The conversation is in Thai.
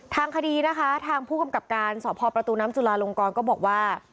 ทางคดีนะคะทางผู้กำกับการสพประตูน้ำจุลาลงกรก็บอกว่า